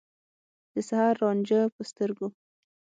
د سحر رانجه په سترګو